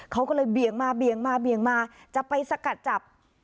เขาก็เลยเบี่ยงมาเบี่ยงมาเบี่ยงมาจะไปสกัดจับ